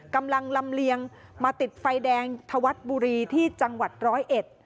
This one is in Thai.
กำลังลำเลียงมาติดไฟแดงธวัดบุรีที่จังหวัดร้อยเอ็ด